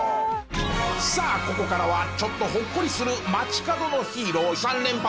さあここからはちょっとほっこりする街角のヒーロー３連発。